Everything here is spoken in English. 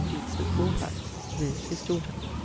Deeks' woolpacks, viz. his daughter.